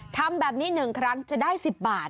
ทำแบบนี้๑ครั้งจะได้๑๐บาท